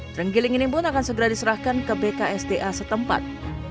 terenggiling ini pun akan segera diserahkan ke bksda setempat